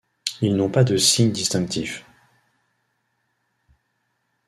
Ils n'ont pas de signes distinctifs.